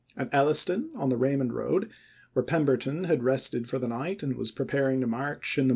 At Elliston on the Raymond road, where Pemberton had rested for the night and was preparing to march in the May, 1863.